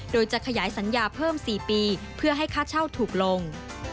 โดยจะขยายสัญญาเพิ่ม๔ปีเพื่อให้ค่าเช่าถูกลง